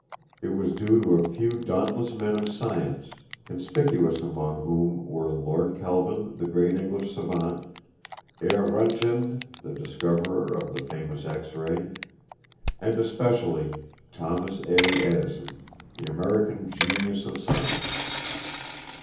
It was due to a few dauntless men of science, conspicuous among whom were Lord Kelvin, the great English savant; Herr Roentgen, the discoverer of the famous X ray, and especially Thomas A. Edison, the American genius of science.